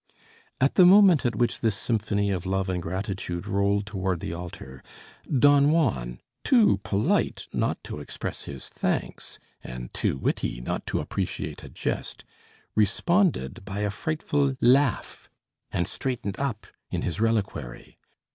At the moment at which this symphony of love and gratitude rolled toward the altar, Don Juan, too polite not to express his thanks and too witty not to appreciate a jest, responded by a frightful laugh, and straightened up in his reliquary.